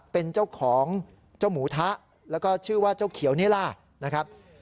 เป็นเจ้าของเจ้าหมูทะแล้วก็ชื่อว่าเจ้าเขียวนี่ล่ะนะครับ